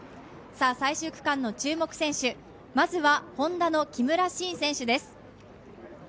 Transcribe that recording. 最終区間の注目選手、まずはＨｏｎｄａの木村慎選手です。